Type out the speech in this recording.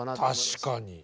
確かに。